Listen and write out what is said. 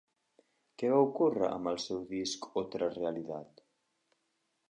Què va ocórrer amb el seu disc Otra Realidad?